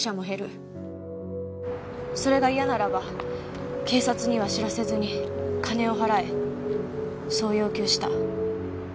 それが嫌ならば警察には知らせずに金を払えそう要求した。